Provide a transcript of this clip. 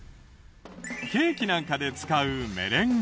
ケーキなんかで使うメレンゲ。